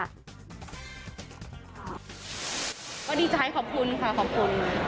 ก็ดีใจขอบคุณค่ะขอบคุณ